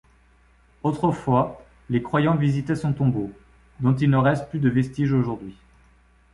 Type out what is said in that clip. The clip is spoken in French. Autrefois, les croyants visitaient son tombeau, dont il ne reste plus de vestiges aujourd’hui.